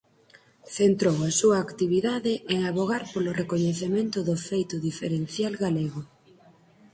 Centrou a súa actividade en avogar polo recoñecemento do feito diferencial galego.